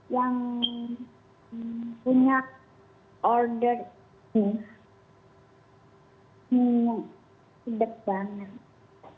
yang punya order banget